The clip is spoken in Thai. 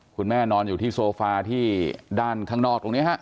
คุณแม่นอนอยู่ที่โซฟาที่ด้านข้างนอกตรงนี้ครับ